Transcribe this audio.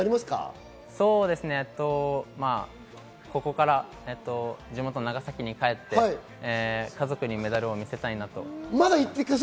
ここから地元・長崎に帰って、家族にメダルを見せたいなと。